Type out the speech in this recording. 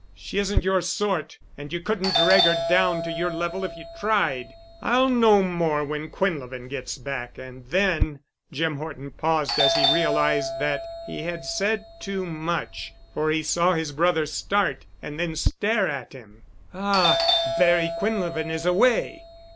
She isn't your sort and you couldn't drag her down to your level if you tried. I'll know more when Quinlevin gets back and then——" Jim Horton paused as he realized that he had said too much, for he saw his brother start and then stare at him. "Ah, Barry Quinlevin—is away!"